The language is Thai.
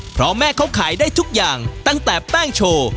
เพราะแม่เขาขายได้ทุกอย่างตั้งแต่แป้งโชว์